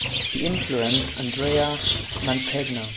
He influenced Andrea Mantegna.